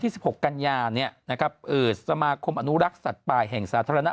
ที่๑๖กันยาเนี่ยนะครับสมาคมอนุรักษ์สัตว์ปลายแห่งสาธารณะ